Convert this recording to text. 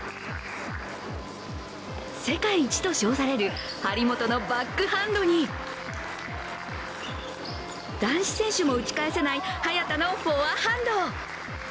世界一と称される張本のバックハンドに男子選手も打ち返せない早田のフォアハンド。